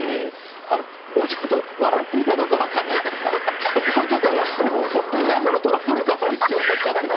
もうちょっと、笑っていいかどうか分かんないからさ、そこをちょっと、本当に何かのトラブルかと思っちゃってさ。